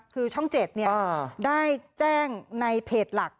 คือช่อง๗ได้แจ้งในเพจหลัก